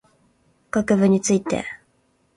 学部について